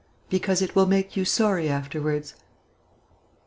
"Because it will make you sorry afterwards."